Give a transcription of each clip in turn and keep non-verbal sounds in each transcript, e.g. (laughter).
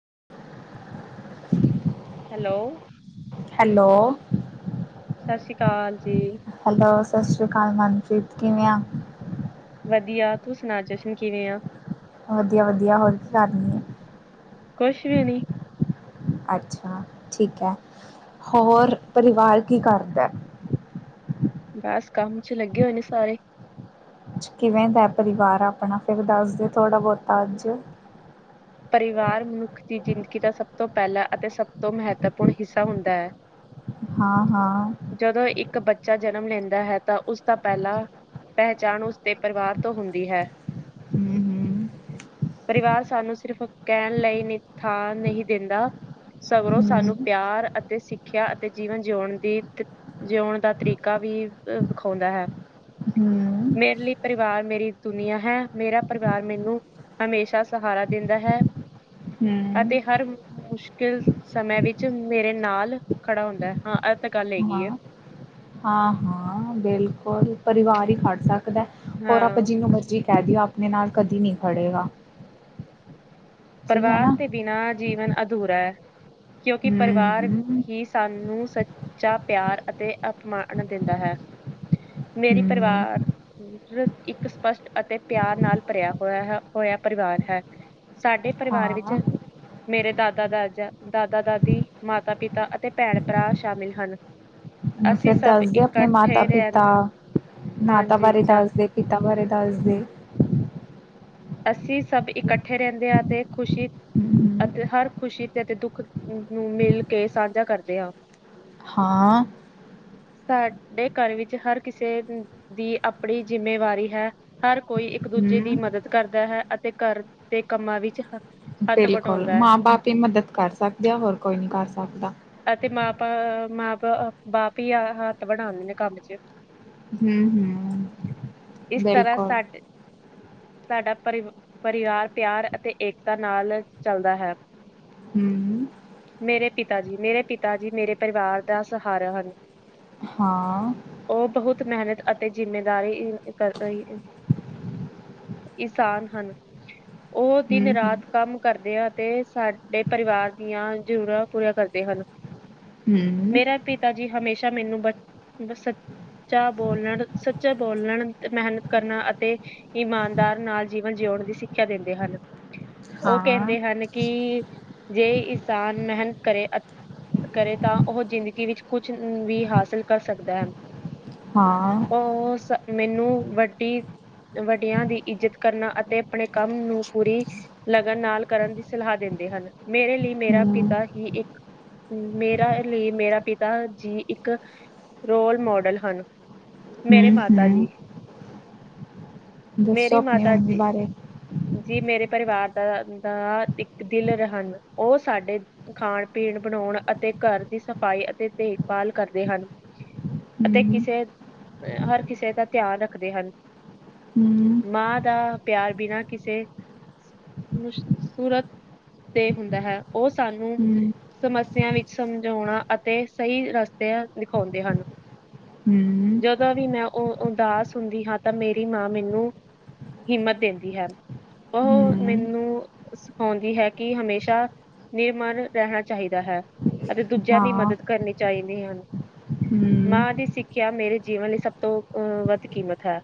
(unintelligible) Hello. Hello. ਸਤਿ ਸ਼੍ਰੀ ਅਕਾਲ ਜੀ। ਹੈਲੋ। ਸਤਿ ਸ੍ਰੀ ਅਕਾਲ। ਮਨਪ੍ਰੀਤ ਕਿਵੇਂ ਆ। ਵਧੀਆ ਤੂੰ ਸੁਣਾ ਜਸ਼ਨ ਕਿਵੇਂ ਆ। ਵਧੀਆ ਵਧੀਆ। ਹੋਰ ਕੀ ਕਰਨੀ ਹੈ। ਕੁਛ ਵੀ ਨੀ। ਅੱਛਾ ਠੀਕ ਹੈ। ਹੋਰ ਪਰਿਵਾਰ ਕੀ ਕਰਦਾ। ਬਸ ਕੰਮ ਚ ਲੱਗੇ ਹੋਏ ਨੇ ਸਾਰੇ। ਕਿਵੇਂ ਦਾ ਪਰਿਵਾਰ ਆਪਣਾ ਫਿਰ ਦੱਸ ਦਿ ਥੋੜ੍ਹਾ ਬਹੁਤਾ ਅੱਜ। ਪਰਿਵਾਰ ਮਨੁੱਖ ਦੀ ਜ਼ਿੰਦਗੀ ਦਾ ਸਭ ਤੋਂ ਪਹਿਲਾ ਅਤੇ ਸਭ ਤੋਂ ਮਹੱਤਵਪੂਰਨ ਹਿੱਸਾ ਹੁੰਦਾ ਹੈ। ਹਾਂ ਹਾਂ ਜਦੋਂ ਇੱਕ ਬੱਚਾ ਜ ਜਨਮ ਲੈਂਦਾ ਹੈ। ਤਾਂ ਉਸਦਾ ਪਹਿਲਾਂ ਪਹਿਚਾਣ ਉਸਦੇ ਪਰਿਵਾਰ ਤੋਂ ਹੁੰਦੀ ਹੈ। ਹਮ ਹਮ। ਪਰਿਵਾਰ ਸਾਨੂੰ ਸਿਰਫ ਕਹਿਣ ਲਈ ਨਿਥਾ ਨਹੀਂ ਦਿੰਦਾ ਸਗਰੋਂ ਸਾਨੂੰ ਹਮ ਪਿਆਰ ਅਤੇ ਸਿੱਖਿਆ ਅਤੇ ਜੀਵਨ ਜਿਉਣ ਦੀ ਜਿਉਣ ਦਾ ਤਰੀਕਾ ਵੀ ਵਿਖਾਉਂਦਾ ਹੈ ਹਮ ਮੇਰੇ ਲਈ ਪਰਿਵਾਰ ਮੇਰੀ ਦੁਨੀੀਆਂ ਹੈ। ਮੇਰਾ ਪਰਿਵਾਰ ਮੈਨੂੰ ਹਮੇਸ਼ਾ ਸਹਾਰਾ ਦਿੰਦਾ ਹੈ ਹਮ ਅਤੇ ਹਰ ਮੁਸ਼ਕਿਲ ਸਮੇਂ ਵਿੱਚ ਮੇਰੇ ਨਾਲ ਖੜਾ ਹੁੰਦਾ ਹੈ ਹਾਂ। ਤਾਂ ਗੱਲ ਹਾਂ ਹੈਗੀ ਹੈ ਹਾਂ ਹਾਂ ਬਿਲਕੁਲ ਪਰਿਵਾਰ ਹੀ ਖਾਦਸਾ (unintelligible) ਹਾਂ ਆਪਣੇ ਨਾਲ ਕਦੀ ਨਹੀਂ ਖੜ੍ਹੇਗਾ। ਪਰਿਵਾਰ ਤੇ ਬਿਨਾਂ ਜੀਵਨ ਅਧੂਰਾ ਹੈ। ਕਿਉਂਕਿ ਹਮ ਪਰਿਵਾਰ ਹਮ ਹੀ। ਸਾਨੂੰ ਸੱਚਾ ਪਿਆਰ ਅਤੇ ਅਪਮਾਨ ਦਿੰਦਾ ਹੈ ਮੇਰੀ ਹਮ ਪਰਿਵਾਰ ਇੱਕ ਸਪਸ਼ਟ ਅਤੇ ਪਿਆਰ ਨਾਲ ਭਰਿਆ ਹੋਇਆ ਹੋਇਆ ਪਰਿਵਾਰ ਹੈ ਸਾਡੇ ਪਰਿਵਾਰ ਵਿੱਚ ਹਾਂ ਮੇਰੇ ਦਾਦਾ ਦਾਜਾ ਦਾਦਾ ਦਾਦੀ ਮਾਤਾ ਪਿਤਾ ਅਤੇ ਭੈਣ ਭਰਾ ਸ਼ਾਮਿਲ ਹਨ। ਹ ਅਸੀਂ ਫੇਰ ਸਭ ਦੱਸਦੇ ਆਪਣੇ ਮਾਤਾ ਇਕੱਠੇ ਪਿਤਾ ਰਹਿੰਦੇ ਮਾਤਾ ਹਾਂਜੀ ਬਾਰੇ ਚਾ ਦੱਸਦੇ ਪਿਤਾ ਬਾਰੇ ਤਾਜ਼ੇ ਅਸੀਂ ਸਭ ਇਕੱਠੇ ਰਹਿੰਦੇ ਹਾਂ ਅਤੇ ਖੁਸ਼ੀ ਅਤੇ ਹੂੰ, ਹਰ ਖੁਸ਼ੀ ਅਤੇ ਦੁੱਖ ਨੂੰ ਮਿਲ ਕੇ ਸਾਂਝਾ ਕਰਦੇ ਹਾਂ। ਹਾਂ। ਸਾਡੇ ਘਰ ਵਿੱਚ ਹਰ ਕਿਸੇ ਦੀ ਆਪਣੀ ਜਿੰਮੇਵਾਰੀ ਹੈ ਹਰ ਕੋਈ ਇੱਕ ਦੂਜੇ ਦੀ ਹੂੰ। ਮਦਦ ਕਰਦਾ ਹੈ ਅਤੇ ਘਰ ਦੇ ਕੰਮਾਂ ਵਿੱਚ ਹੱਥ ਬਿਲਕੁਲ ਵਟਾਉਂਦਾ ਹੈ ਮਾਂ ਬਾਪ ਹੀ ਮਦਦ ਕਰ ਸਕਦੇ ਆ ਹੋਰ ਕੋਈ ਨੀ ਕਰ ਸਕਦਾ। ਅਤੇ ਮਾਂ ਬਾ ਮਾਂ ਬਾ ਬਾਪ ਹੀ ਆ ਹੱਥ ਬਣਾਉਂਦੇ ਨੇ ਕੰਮ ਚ ਹਮ ਹਮ। ਇਸ ਤਰ੍ਹਾਂ ਸਾਡੇ ਸਾਡਾ ਪਰਿ ਪਰਿਵਾਰ ਪਿਆਰ ਅਤੇ ਏਕਤਾ ਨਾਲ ਚੱਲਦਾ ਹੈ ਹੂੰ, ਮੇਰੇ ਪਿਤਾ ਜੀ। ਮੇਰੇ ਪਿਤਾ ਜੀ ਮੇਰੇ ਪਰਿਵਾਰ ਦਾ ਸਹਾਰਾ ਹਨ। ਹਾਂ। ਉਹ ਬਹੁਤ ਮਿਹਨਤ ਅਤੇ ਜਿੰਮੇਦਾਰੀ ਕਰ ਰਹੀ ਇਸਾਨ ਹਨ ਉਹ ਦਿਨ ਹੂੰ, ਹੂੰ, ਰਾਤ ਕੰਮ ਕਰਦੇ ਅਤੇ ਸਾਡੇ ਪਰਿਵਾਰ ਦੀਆਂ ਜ਼ਰੂਰਾਂ ਪੂਰੀਆਂ ਕਰ ਹਨ ਹੂੰ, ਮੇਰਾ ਪਿਤਾ ਜੀ ਹਮੇਸ਼ਾ ਮੈਨੂੰ ਬ ਸੱਚਾ ਬੋਲਣ ਸੱਚਾ ਬੋਲਣ ਮਿਹਨਤ ਕਰਨਾ ਅਤੇ ਇਮਾਨਦਾਰ ਨਾਲ ਜੀਵਨ ਜਿਉਣ ਦੀ ਸਿੱਖਿਆ ਦਿੰਦੇ ਹਨ। ਉਹ ਹਾਂ, ਕਹਿੰਦੇ ਹਨ ਕਿ ਜੇ ਇਨਸਾਨ ਮਿਹਨਤ ਕਰੇ। ਕਰੇ ਤਾਂ ਉਹ ਜ਼ਿੰਦਗੀ ਵਿੱਚ ਕੁਛ ਵੀ ਹਾਸਿਲ ਕਰ ਸਕਦਾ ਹੈ। ਹਾਂ, ਉਹ ਸ ਮੈਨੂੰ ਵੱਡੀ ਵੱਡਿਆਂ ਦੀ ਇੱਜਤ ਕਰਨਾ ਅਤੇ ਆਪਣੇ ਕੰਮ ਨੂੰ ਪੂਰੀ ਲਗਨ ਨਾਲ ਕਰਨ ਦੀ ਸਲਾਹ ਦਿੰਦੇ ਹਨ ਮੇਰੇ ਲਈ ਮੇਰਾ ਹੂੰ। ਪਿਤਾ ਹੀ ਇੱਕ ਮੇਰਾ ਲਈ ਮੇਰਾ ਪਿਤਾ ਜੀ ਇੱਕ ਰੋਲ ਮਾਡਲ ਹਨ ਮੇਰੇ ਹੂੰ, ਮਾਤਾ ਹੂੰ, ਜੀ ਦੱਸੋ ਮੇਰੀ ਆਪਣੀ ਮਾਤਾ ਮੰਮੀ ਜੀ ਬਾਰੇ ਜੀ ਮੇਰੇ ਪਰਿਵਾਰ ਦਾ ਦਾ ਇੱਕ ਦਿਲ ਹਨ ਉਹ ਸਾਡੇ ਖਾਣ ਪੀਣ ਬਣਾਉਣ ਅਤੇ ਘਰ ਦੀ ਸਫ਼ਾਈ ਅਤੇ ਦੇਖਭਾਲ ਕਰਦੇ ਹਨ ਹੂੰ, ਅਤੇ ਹੂੰ, ਕਿਸੇ ਅ ਹਰ ਕਿਸੇ ਦਾ ਧਿਆਨ ਰੱਖਦੇ ਹਨ ਹੂੰ। ਮਾਂ ਦਾ ਪਿਆਰ ਬਿਨਾਂ ਕਿਸੇ ਸੂਰਤ ਤੇ ਹੁੰਦਾ ਹੈ ਉਹ ਸਾਨੂੰ ਹੂੰ, ਸਮੱਸਿਆ ਵਿੱਚ ਸਮਝਾਣਾ ਅਤੇ ਸਹੀ ਰਸਤੇ ਦਿਖਾਦੇ ਹਨ, ਜਦੋਂ ਵੀ ਮੈਂ ਉਹ ਉਦਾਸ ਹੁੰਦੀ ਹਾਂ ਤਾਂ ਮੇਰੀ ਮਾਂ ਮੈਨੂੰ ਹਿੰਮਤ ਦਿੰਦੀ ਹੈ ਉਹ ਹੂੰ, ਮੈਨੂੰ ਸਿਖਾਦੀ ਹੈ ਕਿ ਹਮੇਸ਼ਾ ਨਿਰਮਨ ਰਹਿਣ, ਚਾਹੀਦਾ ਹੈ, ਅਤੇ ਦੂਜਿਆਂ ਦੀ ਹਾਂ, ਮਦਦ ਕਰਨੀ ਚਾਹੀਦੀ। ਤੇ ਹਾਂਜੀ, ਹੂੰ, ਕਿਆ ਮੇਰੇ ਜੀਵਨ ਲਈ ਸਭ ਤੋਂ ਅਹ ਵੱਧ ਕੀਮਤ ਹੈ,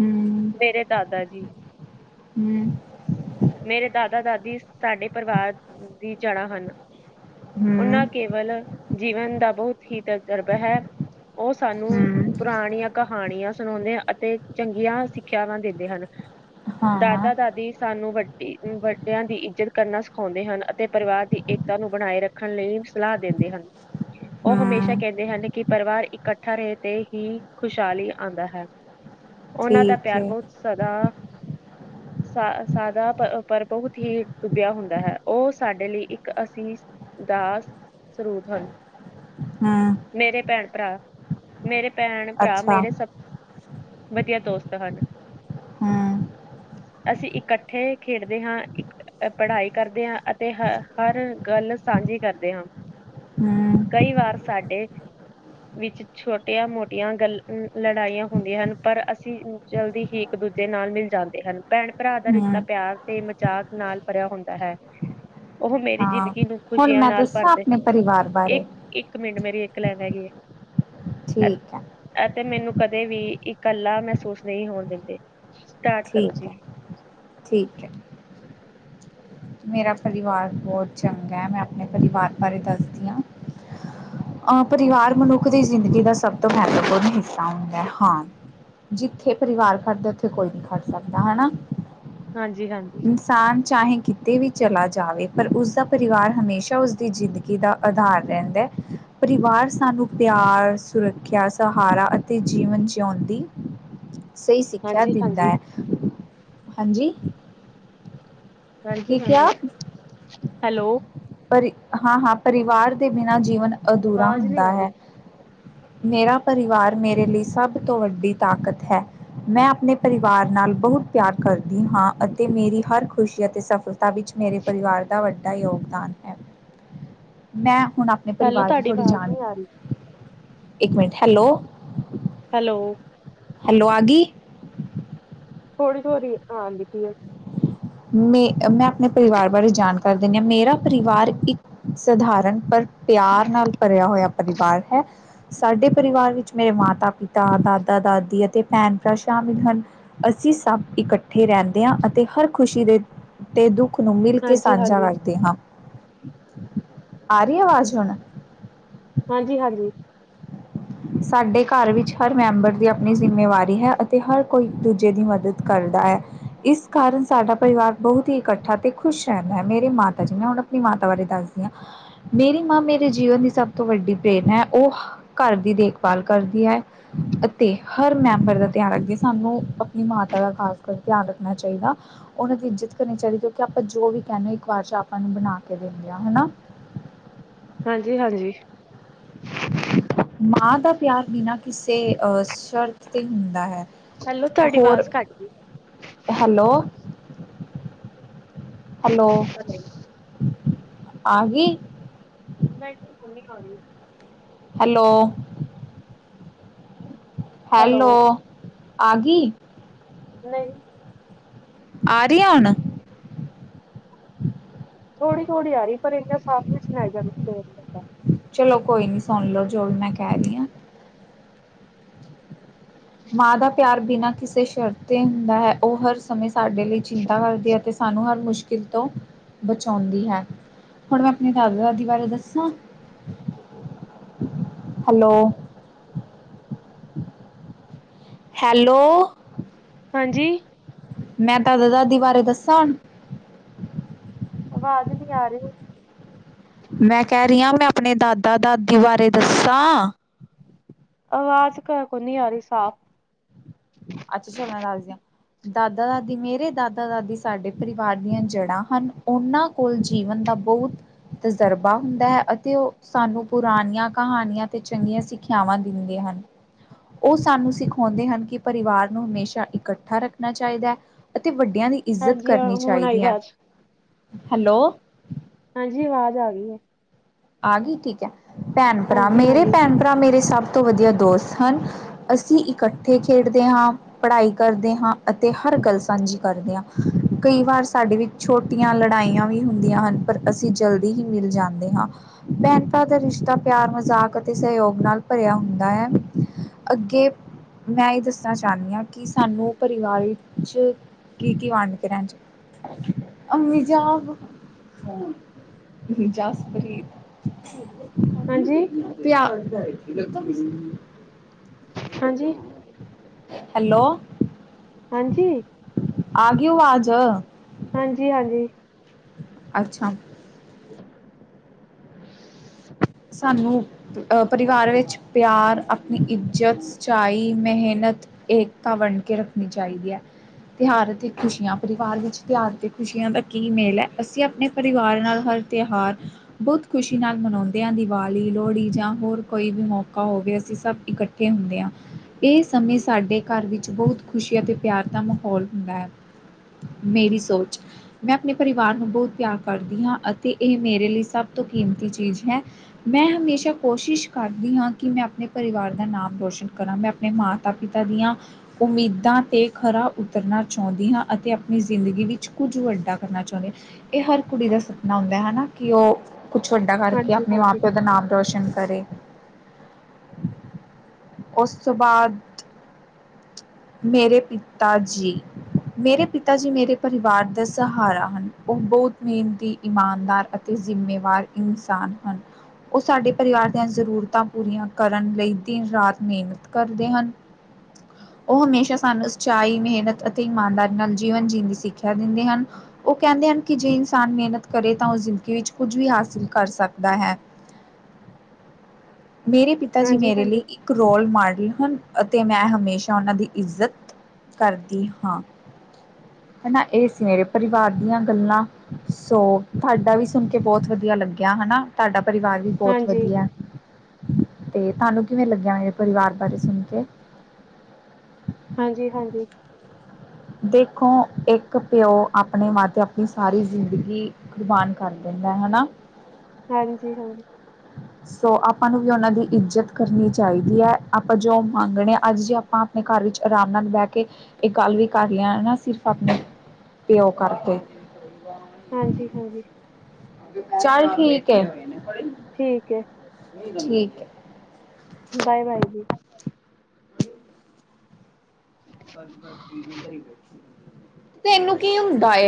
ਹੂੰ, ਮੇਰੇ ਦਾਦਾ ਜੀ ਹੂੰ। ਮੇਰੇ ਦਾਦਾ ਦਾਦੀ ਸਾਡੇ ਪਰਿਵਾਰ ਦੀ ਜੜਾ ਹਨ। ਹੂੰ ਉਹਨਾਂ ਕੇਵਲ ਜੀਵਨ ਦਾ ਬਹੁਤ ਹੀ ਤਜਰਬਾ ਹੈ ਉਹ ਸਾਨੂੰ ਹੂੰ ਪੁਰਾਣੀਆਂ ਕਹਾਣੀਆਂ ਸੁਣਾਦੇ ਅਤੇ ਚੰਗੀਆਂ ਸਿੱਖਿਆਵਾਂ ਦਿੰਦੇ ਹਨ। ਹਾਂ ਦਾਦਾ ਦਾਦੀ, ਸਾਨੂੰ ਵੱਡੀ ਵੱਡਿਆਂ ਦੀ ਇੱਜਤ ਕਰਨਾ ਸਿਖਾਦੇ ਹਨ ਅਤੇ ਪਰਿਵਾਰ ਦੀ ਇੱਕ ਨੂੰ ਬਣਾਏ ਰੱਖਣ ਲਈ ਸਲਾਹ ਦਿੰਦੇ ਹਨ ਉਹ ਹੂੰ ਹਮੇਸ਼ਾ ਕਹਿੰਦੇ ਹਨ ਕਿ ਪਰਿਵਾਰ ਇਕੱਠਾ ਰਹੇ ਤੇ ਹੀ ਖੁਸ਼ਹਾਲੀ ਆਂਦਾ ਹੈ। ਉਹਨਾਂ ਦਾ ਠੀਕ ਪਿਆਰ ਹੈ ਬਹੁਤ ਸਦਾ, ਸਾ ਸਾਦਾ ਪਰਵ ਬਹੁਤ ਹੀ ਡੁੱਬਿਆ ਹੁੰਦਾ ਹੈ ਉਹ ਸਾਡੇ ਲਈ ਇੱਕ ਅਸੀ ਦਾਸ ਸਰੂਤ ਹਨ ਹੂੰ ਮੇਰੇ ਭੈਣ ਭਰਾ ਮੇਰੇ, ਭੈਣ ਭਰਾ ਅੱਛਾ ਮੇਰੇ ਹੂੰ ਸਭ ਵਧੀਆ ਦੋਸਤ ਹਨ, ਹੂੰ ਅਸੀਂ ਇਕੱਠੇ ਖੇਡਦੇ ਹਾਂ ਪੜ੍ਹਾਈ ਕਰਦੇ ਹਾਂ ਅਤੇ ਹ ਹਰ ਗੱਲ ਸਾਂਝੀ ਕਰਦੇ ਹਾਂ ਹੂੰ ਕਈ ਵਾਰ ਸਾਡੇ ਵਿੱਚ ਛੋਟੀਆਂ ਮੋਟੀਆਂ ਗੱਲ ਲੜਾਈਆਂ ਹੁੰਦੀਆਂ ਹਨ ਪਰ ਅਸੀਂ ਜਲਦੀ ਹੀ ਇੱਕ ਦੂਜੇ ਨਾਲ ਮਿਲ ਜਾਂਦੇ ਹਨ ਭੈਣ ਭਰਾ ਦਾ ਰਿਸ਼ਤਾ ਪਿਆਰ ਤੇ ਮਜ਼ਾਕ ਨਾਲ ਭਰਿਆ ਹੁੰਦਾ ਹੈ। ਉਹ ਮੇਰੀ ਹਾਂ ਜ਼ਿੰਦਗੀ, ਨੂੰ ਹੁਣ ਖੁਸ਼ੀਆਂ ਮੈਂ ਨਾਲ ਦੱਸਾਂ ਭਰਦੇ ਆਪਣੇ ਪਰਿਵਾਰ ਬਾਰੇ ਇੱਕ ਇੱਕ ਮਿੰਟ ਮੇਰੀ, ਕਲਹ ਹੈਗੀ ਐਂ, ਠੀਕ ਹੈ, ਤੇ ਮੈਨੂੰ ਕਦੇ ਵੀ ਇਕੱਲਾ ਮਹਿਸੂਸ ਨਹੀਂ ਹੋਣ ਦਿੰਦੇ। ਸਟਾਰਟ ਕਰੋ ਠੀਕ ਜੀ ਹੈ ਠੀਕ ਹੈ, ਮੇਰਾ ਪਰਿਵਾਰ ਬਹੁਤ ਚੰਗਾ ਹੈ ਮੈਂ ਆਪਣੇ ਪਰਿਵਾਰ ਬਾਰੇ ਦੱਸਦੀ ਹਾਂ ਅਹ ਪਰਿਵਾਰ ਮਨੁੱਖ ਦੀ ਜ਼ਿੰਦਗੀ ਦਾ ਸਭ ਤੋਂ ਮਹੱਤਵਪੂਰਨ ਹਿੱਸਾ ਹੁੰਦਾ ਹਾਂ ਜਿੱਥੇ ਪਰਿਵਾਰ ਖੜਦਾ ਉੱਥੇ ਕੋਈ ਨਹੀਂ ਖੜ ਸਕਦਾ ਹੈਨਾ। ਹਾਂਜੀ ਹਾਂਜੀ ਇਨਸਾਨ ਚਾਹੇ, ਤੇ ਵੀ ਚਲਾ ਜਾਵੇ ਪਰ ਉਸਦਾ ਪਰਿਵਾਰ ਹਮੇਸ਼ਾ ਉਸਦੀ ਜ਼ਿੰਦਗੀ ਦਾ ਆਧਾਰ ਰਹਿੰਦਾ ਹੈ ਪਰਿਵਾਰ, ਸਾਨੂੰ ਪਿਆਰ, ਸੁਰੱਖਿਆ ਸਹਾਰਾ ਅਤੇ ਜੀਵਨ ਜੀਉਣ ਦੀ, ਸਹੀ ਸਿੱਖਿਆ ਹਾਂਜੀ ਦਿੰਦਾ ਹਾਂਜੀ ਹੈ। ਹਾਂਜੀ, ਕੀ ਹਾਜੀ-ਹਾਜੀ। ਹੈਲੋ, ਪਰ ਹਾਂ-ਹਾਂ ਪਰਿਵਾਰ ਦੇ ਬਿਨਾਂ ਜੀਵਨ, ਅਧੂਰਾ ਆਵਾਜ਼ ਨਹੀਂ ਹੁੰਦਾ ਆ ਰਹੀ ਹੈ ਮੇਰਾ ਪਰਿਵਾਰ ਮੇਰੇ ਲਈ ਸਭ ਤੋਂ ਵੱਡੀ ਤਾਕਤ ਹੈ ਮੈਂ ਆਪਣੇ ਪਰਿਵਾਰ ਨਾਲ ਬਹੁਤ ਪਿਆਰ ਕਰਦੀ ਹਾਂ ਅਤੇ ਮੇਰੀ ਹਰ ਖ਼ੁਸ਼ੀ ਅਤੇ ਸਫਲਤਾ ਵਿੱਚ ਮੇਰੇ ਪਰਿਵਾਰ ਦਾ ਵੱਡਾ ਯੋਗਦਾਨ ਮੈਂ ਹੁਣ ਆਪਣੇ ਹੈਲੋ ਪਰਿਵਾਰ ਦੀ ਤੁਹਾਡੀ ਥੋੜ੍ਹੀ ਆਵਾਜ਼ ਜਾਨ ਨਹੀਂ ਆ ਰਹੀ ਇੱਕ ਮਿੰਟ ਹੈਲੋ। ਹੈਲੋ ਹੈਲੋ ਆਈ ਥੋੜ੍ਹੀ ਥੋੜ੍ਹੀ ਆਦੀਤੀ ਆ (unintelligible) ਮੈਂ ਐ। ਮੈਂ ਆਪਣੇ ਪਰਿਵਾਰ ਬਾਰੇ ਜਾਣ ਕਰ ਦਿੰਨੇ ਆਂ ਮੇਰਾ ਪਰਿਵਾਰ ਇੱਕ ਸਧਾਰਨ ਪਰ ਪਿਆਰ ਨਾਲ ਭਰਿਆ ਹੋਇਆ ਪਰਿਵਾਰ ਹੈ ਸਾਡੇ ਪਰਿਵਾਰ ਵਿੱਚ ਮੇਰੇ ਮਾਤਾ -ਪਿਤਾ ਦਾਦਾ -ਦਾਦੀ ਅਤੇ ਭੈਣ -ਭਰਾ ਸ਼ਾਮਿਲ ਹਨ, ਅਸੀਂ ਸਭ ਇਕੱਠੇ ਰਹਿਣ ਅਤੇ ਹਰ ਦੇ ਤੇ ਦੁੱਖ। (unintelligible) ਨੂੰ ਮਿਲ ਕੇ ਹਾਂਜੀ ਸਾਂਝਾ ਹਾਂਜੀ ਕਰਦੇ ਹਾਂ। ਆ ਰੀ ਆਵਾਜ਼ ਹੁਣ ਹਾਂਜੀ ਹਾਂਜੀ ਸਾਡੇ ਘਰ ਵਿੱਚ ਹਰ ਮੈਂਬਰ ਦੀ ਆਪਣੀ ਜ਼ਿੰਮੇਵਾਰੀ ਹੈ ਅਤੇ ਹਰ ਕੋਈ ਦੂਜੇ ਦੀ ਮਦਦ ਕਰਦਾ ਹੈ। ਇਸ ਕਾਰਨ ਸਾਡਾ ਪਰਿਵਾਰ ਬਹੁਤ ਹੀ ਇਕੱਠਾ ਤੇ ਖੁਸ਼ ਰਹਿੰਦਾ ਹੈ, ਮੇਰੇ ਮਾਤਾ ਜੀ ਮੈਂ ਹੁਣ ਆਪਣੀ ਮਾਤਾ ਬਾਰੇ ਦੱਸਦੀ ਹਾਂ ਮੇਰੀ ਮਾਂ ਮੇਰੇ ਜੀਵਨ ਦੀ ਸਭ ਤੋਂ ਵੱਡੀ ਪ੍ਰੇਰਨਾ ਹੈ ਉਹ ਘਰ ਦੀ ਦੇਖ ਦੇਖਭਾਲ ਕਰਦੀ ਹੈ ਅਤੇ ਹਰ ਮੈਂਬਰ ਦਾ ਧਿਆਨ ਰੱਖਦੀ ਸਾਨੂੰ ਆਪਣੀ ਮਾਤਾ ਦਾ ਖਾਸ ਕਰ ਧਿਆਨ ਰੱਖਣਾ ਚਾਹੀਦਾ ਉਹਨਾਂ ਦੀ ਇੱਜਤ ਕਰਨੀ ਚਾਹੀਦੀ ਕਿਉਂਕਿ ਆਪਾਂ ਜੋ ਵੀ ਕੇਣਦੇ ਹਾਂ ਇੱਕ ਵਾਰ ਚ ਆਪਾਂ ਨੂੰ ਬਣਾ ਕੇ ਦਿੰਦੇ ਹਾ ਹਨਾ। ਹਾਂਜੀ ਹਾਂਜੀ ਮਾਂ ਦਾ ਪਿਆਰ ਬਿਨਾਂ ਕਿਸੇ ਅਹ ਸਵਰਥ ਤੇ ਹੁੰਦਾ ਹੈ। ਹੈਲੋ ਤੁਹਾਡੀ ਹੋਰ ਆਵਾਜ਼ ਘੱਟ ਗਈ ਹੈਲੋ (inaudible) ਹੈਲੋ ਆਗੀ ਨਹੀਂ ਹੁਨ ਨਹੀਂ ਆ ਰਹੀ ਹੈਲੋ ਹੈਲੋ ਆਗੀ ਨਹੀਂ ਆ ਰਹੀ ਹੈ ਹੁਨ ਥੋੜੀ ਥੋੜੀ ਆ ਰਹੀ ਪਰ ਇੰਨਾ ਸਾਫ਼ ਨਹੀਂ ਸੁਣਾਈ (unintelligible) ਚਲੋ ਕੋਈ ਨੀ ਸੁਣ ਲੋ ਜੋ ਵੀ ਮੈਂ ਕੈਹ ਰਹੀ ਹਾਂ ਮਾਂ ਦਾ ਪਿਆਰ ਬਿਨਾਂ ਕਿਸੇ ਸ਼ਰਤ ਤੇ ਹੁੰਦਾ ਹੈ ਉਹ ਹਰ ਸਮੇਂ ਸਾਡੇ ਲਈ ਚਿੰਤਾ ਕਰਦੀ ਹੈ ਤੇ ਸਾਨੂੰ ਹਰ ਮੁਸ਼ ਕਿਤੋਂ ਬਚਾਉਂਦੀ ਹੈ ਹੁਣ ਮੈਂ ਆਪਣੇ ਦਾਦਾ ਦਾਦੀ ਬਾਰੇ ਦੱਸਾਂ ਹੈਲੋ ਹੈਲੋ ਹਾਂਜੀ ਮੈਂ ਦਾਦਾ ਦਾਦੀ ਬਾਰੇ ਦੱਸਾਂ ਹੁਨ ਆਵਾਜ਼ ਨੀ ਆ ਰੀ, ਮੈਂ ਕੈ ਰੀ ਆਂ, ਮੈਂ ਆਪਣੇ ਦਾ ਦਾਦਾ ਦਾਦੀ, ਬਾਰੇ ਦੱਸਾਂ। (unintelligible) ਕੋਨੀ ਆਰੀ ਸਾਫ਼। ਅੱਛਾ ਚਲੋ, ਮੈਂ ਦੱਸਦਿਆ ਦਾਦਾ ਦਾਦੀ ਮੇਰੇ ਦਾਦਾ ਦਾਦੀ ਸਾਡੇ ਪਰਿਵਾਰ ਦੀਆਂ ਜੜ੍ਹਾਂ ਹਨ, ਉਨਾਂ ਕੋਲ ਜੀਵਨ ਦਾ ਬਹੁਤ ਤਜਰਬਾ ਹੁੰਦਾ ਹੈ, ਅਤੇ ਉਹ ਸਾਨੂੰ ਪੁਰਾਣੀਆਂ ਕਹਾਣੀਆਂ ਤੇ ਚੰਗੀਆਂ ਸਿੱਖਿਆਵਾਂ ਦਿੰਦੇ ਹਨ, ਔ ਸਾਨੂੰ ਸਿਖਾਉਂਦੇ ਹਨ ਕਿ ਪਰਿਵਾਰ ਨੂੰ ਹਮੇਸ਼ਾ ਇਕੱਠਾ ਰੱਖਣਾ ਚਾਈਦਾ ਹੈ। ਅਤੇ ਵੱਡੇ ਦੀ ਇੱਜ਼ਤ ਹਾਂਜੀ ਕਰਨੀ ਹੁਣ ਆਈ ਚਾਈਦੀ ਅ। ਆਵਾਜ਼ ਹੈਲੋ ਹਾਂਜੀ, ਵਾਜ਼ ਆ ਗੀ ੲ ਆ ਗੀ ਠੀਕ ਅ। ਭੈਨ ਭਰਾ, ਹਾਂਜੀ ਮੇਰੇ ਹਾਂਜੀ ਭੈਨ ਭਰਾ, ਮੇਰੇ ਸਭ ਸਭ ਤੋਂ ਵਧੀਆ ਦੋਸਤ ਹਨ। ਅਸੀਂ ਇਕੱਠੇ ਖੇਡਦੇ ਹਾਂ ਪੜ੍ਹਾਈ ਕਰਦੇ ਹਾਂ, ਅਤੇ ਹਰ ਗੱਲ ਸਾਂਝੀ ਕਰਦੇ ਹਾਂ, ਕਈ ਵਾਰ ਸਾਡੇ ਵਿੱਚ ਛੋਟੀਆਂ ਲੜਾਈਆਂ ਵੀ ਹੁੰਦੀਆਂ ਹਨ। ਪਰ ਅਸੀਂ ਜਲਦੀ ਹੀ ਮਿਲ ਜਾਂਦੇ ਹਾਂ। ਭੈਣ ਭਰਾ ਦਾ ਰਿਸ਼ਤਾ ਪਿਆਰ ਮਜ਼ਾਕ ਅਤੇ ਸਹਿਯੋਗ ਨਾਲ ਭਰਿਆ ਹੁੰਦਾ ਹੈ। ਅੱਗੇ ਮੈਂ ਇਹ ਦੱਸਣਾ ਚਾਹੁਨੀ ਹਾਂ। ਕਿ ਸਾਨੂੰ ਪਰਿਵਾਰ ਵਿੱਚ ਕੀ ਕੀ ਵੰਡ ਕੇ (inaudible) (unintelligible) (inaudible) (unintelligible) ਹਾਂਜੀ ਹਾਂਜੀ ਹੈਲੋ ਹਾਂਜੀ ਆ ਗੀ ਵਾਜ਼ (inaudible) ਹਾਂਜੀ ਆਗੀ। ਅੱਛਾ। ਸਾਨੂੰ ਅ ਪਰਿਵਾਰ ਵਿੱਚ ਪਿਆਰ ਅਪਣੀ ਇੱਜ਼ਤ, ਚਾਈ ਮਿਹਨਤ, ਏਕਤਾ ਵਡੰ ਕੇ ਰੱਖਣੀ ਚਾਇਦੀ ਅ। ਤਿਉਹਾਰ ਤੇ ਖੁਸ਼ੀਆਂ ਪਰਿਵਾਰ ਵਿੱਚ ਤਿਆਹਰ ਅਤੇ ਖੁਸ਼ੀਆਂ ਦਾ ਕੀ ਮੇਲ ਹੈ ਅਸੀਂ ਆਪਣੇ ਪਰਿਵਾਰ ਨਾਲ ਹਰ ਤਿਅਹਾਰ ਬਹੁਤ ਖੁਸ਼ੀ ਨਾਲ ਮਨਾਉਂਦੇ ਹਾਂ ਦੀਵਾਲੀ ਲੋਹੜੀ ਜਾਂ ਹੋਰ ਕੋਈ ਵੀ ਮੌਕਾ ਹੋਵੇ ਅਸੀਂ ਸਭ ਇਕੱਠੇ ਹੁੰਦੇ ਆਂ। ਇਹ ਸਮੇਂ ਸਾਡੇ ਘਰ ਵਿੱਚ ਬਹੁਤ ਖੁਸ਼ੀ ਅਤੇ ਪਿਆਰ ਦਾ ਮਾਹੌਲ ਹੁੰਦਾ ਹੈ। ਮੇਰੀ ਸੋਚ, ਮੈਂ ਆਪਣੇ ਪਰਿਵਾਰ ਨੂੰ ਬਹੁਤ ਪਿਆਰ ਕਰਦੀ ਹਾਂ ਅਤੇ ਇਹ ਮੇਰੇ ਲਈ ਸਭ ਤੋਂ ਕੀਮਤੀ ਚੀ ਹੈ ਮੈਂ ਹਮੇਸ਼ਾ ਕੋਸ਼ਿਸ਼ ਕਰਦੀ ਹਾਂ। ਕਿ ਮੈਂ ਅਪਨੇ ਪਰਿਵਾਰ ਦਾ ਨਾਮ ਰੋਸ਼ਨ ਕਰਾਂ। ਮੈਂ ਅਪਨੇ ਮਾਤਾ-ਪਿਤਾ ਦੀਆਂ ਉਮੀਦਾਂ ਤੇ ਖਰਾ ਉਤਰਨਾ਼ ਚਾਹੁੰਦੀ ਹਾਂ ਅਤੇ ਅਪਨੀ ਜ਼ਿੰਦਗੀ ਵਿੱਚ ਕੁੱਝ ਵੱਡਾ ਕਰਨਾ ਚਾਹੁੰਦੀ। ਇਹ ਹਰ ਕੁੜੀ ਦਾ ਸਪਨਾ ਹੁੰਦਾ ਹੈ ਹਨਾ, ਕਿ ਉਹ ਕੁਛ ਵ ਕਰਕੇ ਹਾਂਜੀ ਅਪਨੇ ਮਾਂ ਪਿਓ ਦਾ ਨਾਮ ਰੋਸ਼ਨ ਕਰੇ। ਉਸ ਤੋਂ ਬਾਦ ਮੇਰੇ ਪਿਤਾ ਜੀ, ਮੇਰੇ ਪਿਤਾ ਜੀ ਮੇਰੇ ਪਰਿਵਾਰ ਦੇ ਸਹਾਰਾ ਹਨ। ਉਹ ਬੋਤ ਮਿਹਨਤੀ, ਇਮਾਨਦਾਰ ਅਤੇ ਜਿੰਮੇਵਾਰ ਇਨਸਾਨ ਹਨ ਉਹ ਸਾਡੇ ਪਰਿਵਾਰ ਦੀਆਂ ਜ਼ਰੂਰਤਾਂ ਪੂਰੀਆਂ ਕਰਨ ਲਈ ਦਿਨ-ਰਾਤ ਮੇਨਤ ਕਰਦੇ ਹਨ। ਉਹ ਹਮੇਸ਼ਾ ਸਾਨੂੰ ਸੱਚਾਈ ਮਿਹਨਤ ਅਤੇ ਇਮਾਨਦਾਰੀ ਨਾਲ ਜੀਵਨ ਜੀਣ ਦੀ ਸਿੱਖਿਆ ਦਿੰਦੇ ਹਨ। ਉਹ ਕਹਿੰਦੇ ਹਨ ਕਿ ਜੇ ਇਨਸਾਨ ਮਿਹਨਤ ਕਰੇ ਤਾਂ ਉਹ ਜ਼ਿੰਦਗੀ ਵਿੱਚ ਕੁੱਝ ਵੀ ਹਾਸ ਕਰ ਸਕਦਾ ਹੈ। ਮੇਰੇ ਪਿਤਾ ਜੀ ਹਾਂਜੀ ਮੇਰੇ ਲੀ ਹਾਂਜੀ ਇੱਕ ਰੋਲ ਮਾਡਲ ਅਤੇ ਮੈਂ ਹਮੇਸ਼ਾ ਉਹਨਾਂ ਦੀ ਇੱਜ਼ਤ ਕਰਦੀ ਹਾਂ ਹਨਾ, ਇਹ ਸੀ ਮੇਰੇ ਪਰਿਵਾਰ ਦੀਆਂ ਗੱਲਾਂ, ਸੋ ਤੁਹਾਡਾ ਵੀ ਸੁਨ ਕੇ ਬਹ, ਬੋਤ ਵਧੀਆ ਲੱਗਿਆ ਹਨਾ ਤਾਡਾ ਪਰਿਵਾਰ ਵੀ ਬੋੱਤ ਹਾਂਜੀ ਵਧੀਆ। ਤੇ ਤਾਨੂੰ ਕਿਵੇਂ ਲੱਗਿਆ ਮੇਰੇ ਪਰਿਵਾਰ ਬਾਰੇ ਸੁਣ ਕੇ ਹਾਂਜੀ ਹਾਂਜੀ। ਦੇਖੋ, ਇੱਕ ਪਿਓ ਆਪਨੇ ਆਪਨੀ ਸਾਰੀ ਜ਼ਿੰਦਗੀ ਕੁਰਬਾਨ ਕਰ ਦਿੰਦੈ, ਹਨਾ ਹਾਂਜੀ ਹਾਂਜੀ। ਸੋ ਆਪਾਂ ਨੂੰ ਵੀ ਓਨਾਂ ਦੀ ਇੱਜਤ ਕਰਨੀ ਚਾਇਦੀ ਏ। ਆਪਾਂ ਜੋ ਮੰਗਣੇ ਆ ਅੱਜ ਜੇ ਆਪਾਂ ਅਪਨੇ ਘਰ ਵਿੱਚ ਆਰਾਮ ਨਾਲ ਬੈ ਕੇ ਏ ਗੱਲ ਵੀ ਕਰ ਲਿਆ ਨਾ ਸਿਰਫ ਆਪਣੇ ਪਿਓ ਕਰਕੇ ਹਾਂਜੀ, ਹਾਂਜੀ। ਚੱਲ ਠੀਕ ਹੈ। ਠੀਕ ਹੈ। ਠੀਕ ਹੈ। ਬਾਏ, ਬਾਏ ਜੀ। ਤ ਇਹਨੂੰ ਕੀ ਹੁੰਦਾ ਹੈ।